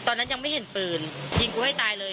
ตอนนั้นยังไม่เห็นปืนยิงกูให้ตายเลย